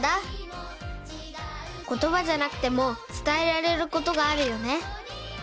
ことばじゃなくてもつたえられることがあるよね。